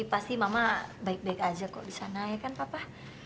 pasti mama baik baik aja kok di sana ya kan papa